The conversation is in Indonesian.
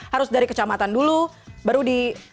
harus dari kecamatan dulu baru di